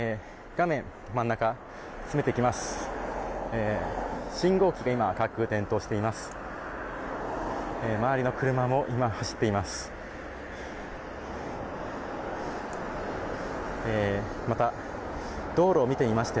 画面真ん中、つめていきます。